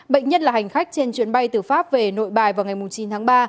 bệnh nhân là hành khách trên chuyến bay từ pháp về nội bài vào ngày chín tháng ba